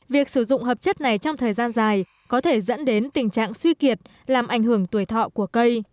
việc sử dụng hợp chất này trong thời gian dài có thể dẫn đến tình trạng suy kiệt làm ảnh hưởng tuổi thọ của cây